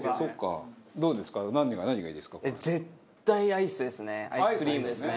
アイスクリームですね。